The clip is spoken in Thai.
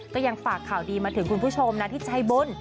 ก็ยังฝากข่าวดีมาถึงคุณผู้ชมนะที่ใจบุญ